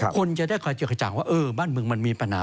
คนจะได้กระจกจังว่าเออบ้านเมืองมันมีปัญหา